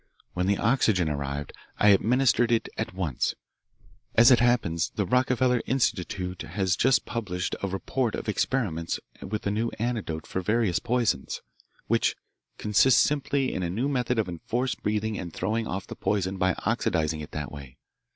When the oxygen arrived I administered it at once. As it happens, the Rockefeller Institute has just published a report of experiments with a new antidote for various poisons, which consists simply in a new method of enforced breathing and throwing off the poison by oxidising it in that way.